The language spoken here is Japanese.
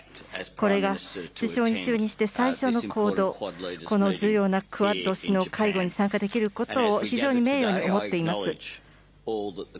これが首相に就任して最初の行動、この重要なクアッド首脳会談に参加できることを非常に名誉に思っています。